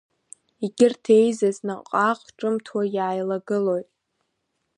Егьырҭ еизаз наҟ-ааҟ ҿымҭуа иааилагылоит.